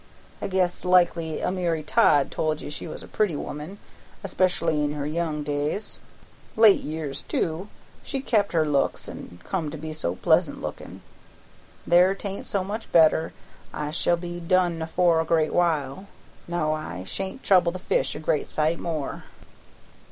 I guess likely Almiry Todd told you she was a pretty woman, especially in her young days; late years, too, she kep' her looks and come to be so pleasant lookin'. There, 'tain't so much matter, I shall be done afore a great while. No; I sha'n't trouble the fish a great sight more."